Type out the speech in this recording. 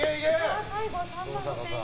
最後３万５０００円。